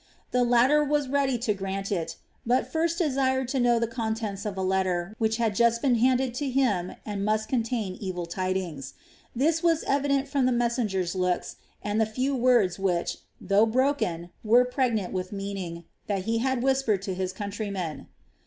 The latter was ready to grant it, but first desired to know the contents of a letter which had just been handed to him and must contain evil tidings. This was evident from the messenger's looks and the few words which, though broken, were pregnant with meaning, that he had whispered to his countryman.